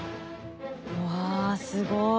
うわすごい。